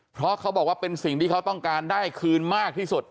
เพราะเขาบอกว่าเป็นสิ่งที่เขาต้องการได้คืนมากที่สุด